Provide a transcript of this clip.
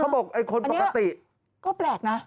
เขาบอกไอ้คนปกติอันนี้ก็แปลกนะ